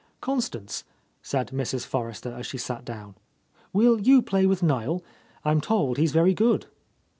"Con stance," said Mrs. Forre^ster as she sat down, "will you play with Niel? I'm told he's very good."